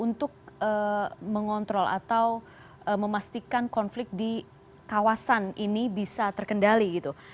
untuk mengontrol atau memastikan konflik di kawasan ini bisa terkendali gitu